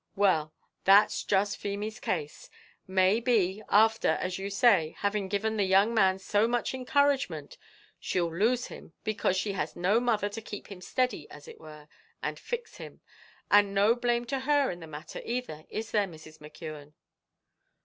"Well, that's just Feemy's case; may be, after, as you say, having given the young man so much encouragement, she'll lose him because she has no mother to keep him steady as it were, and fix him; and no blame to her in the matter either, is there, Mrs. McKeon?"